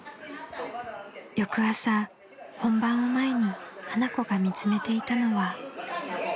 ［翌朝本番を前に花子が見詰めていたのは］